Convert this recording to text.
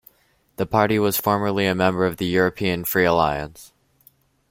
The party was formerly a member of the European Free Alliance.